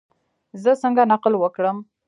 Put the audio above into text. زه څنګه نقل وکړم؟